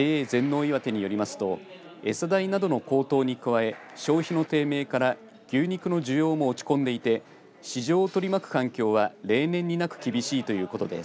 いわてによりますと餌代などの高騰に加え消費の低迷から牛肉の需要も落ち込んでいて市場を取り巻く環境は例年になく厳しいということです。